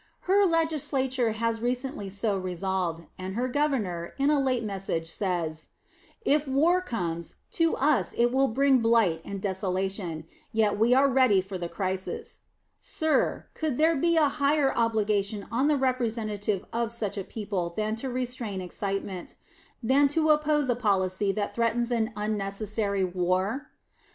Her Legislature has recently so resolved, and her Governor, in a late message, says, "If war comes, to us it will bring blight and desolation, yet we are ready for the crisis." Sir, could there be a higher obligation on the representative of such a people than to restrain excitement than to oppose a policy that threatens an unnecessary war?... Mr.